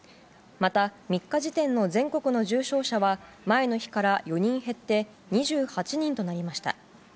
また３日時点の全国の重症者は前の日から４人減って２８人となりました。